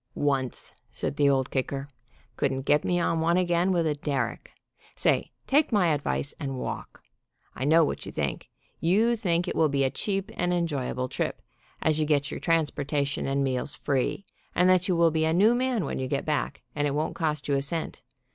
"Once," said the Old Kicker. Couldn't get me on one again with a derrick. Say, take my advice, and walk. I know what you think. You think it will be a cheap and enjoyable trip, as you get your transportation and meals free, and that you will be a new man when you get back, and it won't cost you a cent.